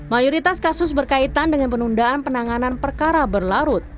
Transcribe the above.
mayoritas kasus berkaitan dengan penundaan penanganan perkara berlarut